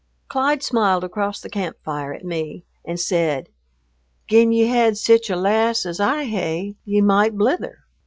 Clyde smiled across the camp fire at me and said, "Gin ye had sic a lass as I hae, ye might blither."